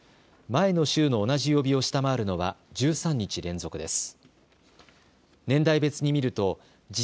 前の週の同じ曜日を下回るのは１３日連続です。